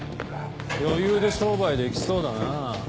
余裕で商売できそうだな。